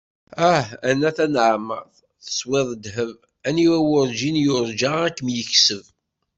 Ah! a Nna Taneɛmart, teswiḍ ddheb! Aniwa werǧin yurga ad kem-yekseb.